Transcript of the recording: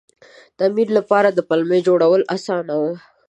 د امیر لپاره د پلمې جوړول اسانه وو.